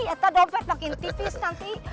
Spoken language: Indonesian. atau dompet makin tipis nanti